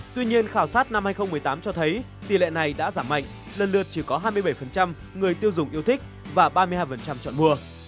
tuy nhiên khảo sát năm hai nghìn một mươi tám cho thấy tỷ lệ này đã giảm mạnh lần lượt chỉ có hai mươi bảy người tiêu dùng yêu thích và ba mươi hai chọn mua